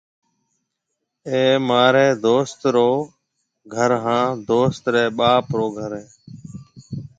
اَي مهاريَ دوست رو گھر هانَ دوست ريَ ٻاپ رو گھر هيَ۔